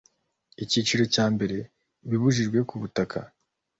Icyiciro cya mbere Ibibujijwe kubutaka